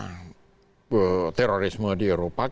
kemudian ini kok kejahatan ini lebih dari kejahatan